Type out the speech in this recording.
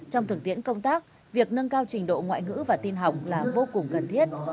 trong thực tiễn công tác việc nâng cao trình độ ngoại ngữ và tin học là vô cùng cần thiết